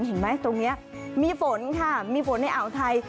เห็นไหมตรงนี้มีฝนค่ะมีฝนในอ่าวไทย